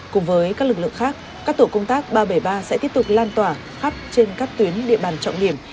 cùng với các lực lượng khác các tổ công tác ba trăm bảy mươi ba sẽ tiếp tục lan tỏa khắp trên các tuyến địa bàn trọng điểm